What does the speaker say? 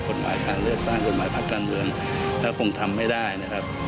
กฎหมายการเลือกตั้งกฎหมายพักการเมืองถ้าคงทำไม่ได้นะครับ